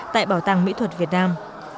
tại bảo tàng mỹ thuật việt nam